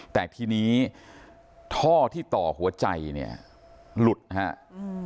แต่ทีนี้ท่อที่ต่อหัวใจเนี่ยหลุดฮะอืม